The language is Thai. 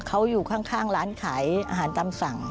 เขาอยู่ข้างร้านขายอาหารตามสั่ง